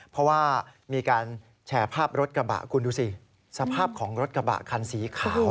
เพราะว่ามีการแชร์ภาพรถกระบะคุณดูสิสภาพของรถกระบะคันสีขาว